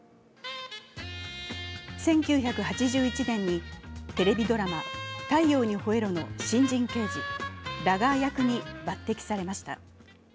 １９８１年にテレビドラマ「太陽にほえろ！」の新人刑事、ラガー役に抜てきされました。